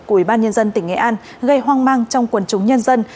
của ủy ban nhân dân tỉnh nghệ an gây hoang mang trong quần chúng nhân dân